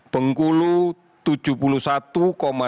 bangka belitung delapan puluh delapan delapan persen yang sembuh